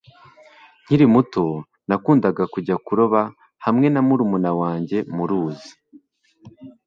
nkiri muto, nakundaga kujya kuroba hamwe na murumuna wanjye muruzi